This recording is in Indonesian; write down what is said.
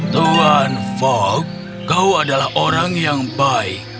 tuan fok kau adalah orang yang baik